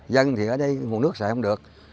dân thì ở đây nguồn nước xài không được